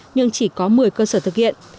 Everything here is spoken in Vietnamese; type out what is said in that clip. nhưng chỉ có một mươi cơ sở thực hiện